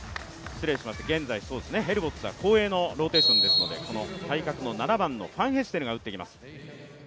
現在、ヘルボッツは後衛のローテーションですので、この対角の、７番のファンヘステルが打ってきます。